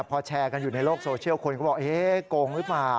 พอแชร์กันอยู่ในโลกโซเชียลคนก็บอกเอ๊ะโกงหรือเปล่า